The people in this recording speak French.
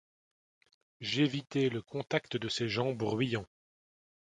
J’évitais le contact de ces gens bruyants.